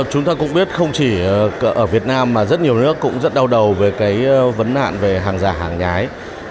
chúng ta cũng biết không chỉ ở việt nam mà rất nhiều nước cũng rất đau đầu về cái vấn nạn về hàng giả hàng nhái